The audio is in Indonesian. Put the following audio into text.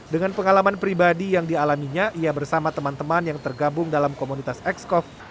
dengan pengalaman pribadi yang dialaminya ia bersama teman teman yang tergabung dalam komunitas excov